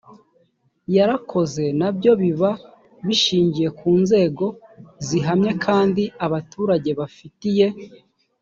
yarakoze na byo biba bishingiye ku nzego zihamye kandi abaturage bafitiye